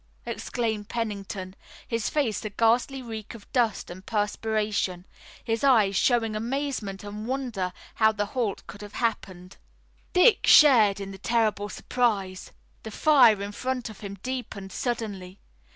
exclaimed Pennington, his face a ghastly reek of dust and perspiration, his eyes showing amazement and wonder how the halt could have happened. Dick shared in the terrible surprise. The fire in front of him deepened suddenly.